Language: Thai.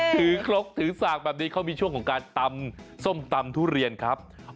ครกถือสากแบบนี้เขามีช่วงของการตำส้มตำทุเรียนครับ